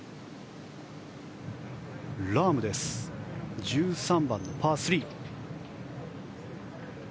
ラームの１３番、パー３。